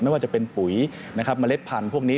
ไม่ว่าจะเป็นปุ๋ยมะเร็ดพันธุ์พวกนี้